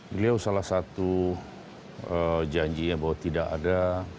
beliau salah satu janjinya bahwa tidak ada